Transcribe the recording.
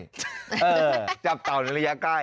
จับเต่าในระยะใกล้